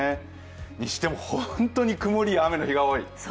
にしても、本当に曇りや雨の日が多い。